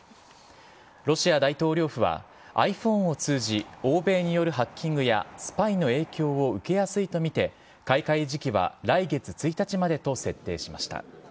ロシア大統領府は、ｉＰｈｏｎｅを通じ、欧米によるハッキングやスパイの影響を受けやすいと見て、買い替え時期は来月１日までと設定しました。